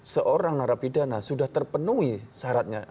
seorang narapidana sudah terpenuhi syaratnya